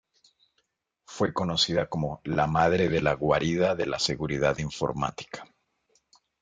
Fue conocida como la "madre de la guarida de la seguridad informática".